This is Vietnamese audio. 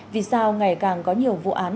vì sao ngày càng có nhiều vụ án